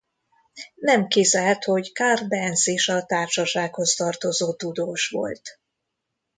Nem kizárt hogy Karl Benz is a társasághoz tartozó tudós volt.